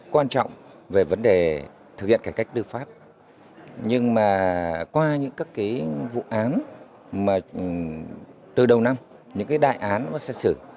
qua những các cái vụ án từ đầu năm những cái đại án và xét xử